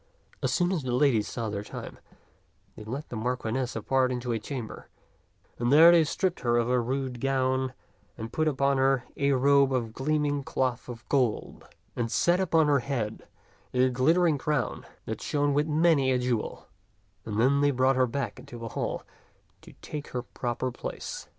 As soon as the ladies saw their time, they led the Marchioness apart into a chamber, and there they stripped her of her rude gown and put upon her a robe of gleaming cloth of gold, and set upon her head a glittering crown that shone with many a jewel, and then they brought her back into the hall to take her proper place.